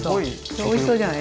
おいしそうじゃない？